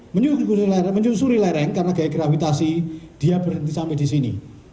menyusuri lereng karena gaya gravitasi dia berhenti sampai di sini